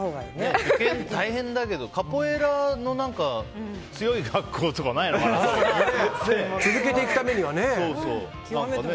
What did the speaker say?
受験、大変だけどカポエイラの強い学校とか続けていくためにはね。